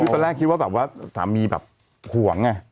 ตอนแรกคิดว่าสามีหวงไง